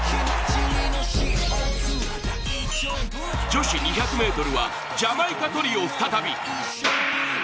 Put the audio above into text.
女子２００ｍはジャマイカトリオ再び。